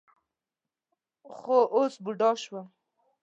خو اوس بوډا شوم.